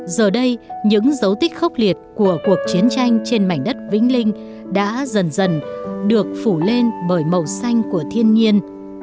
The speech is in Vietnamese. giờ đây những dấu tích khốc liệt của cuộc chiến tranh trên mảnh đất vĩnh linh đã dần dần được phủ lên bởi màu xanh của thiên nhiên